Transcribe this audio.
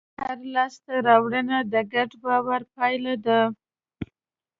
هره لاستهراوړنه د ګډ باور پایله ده.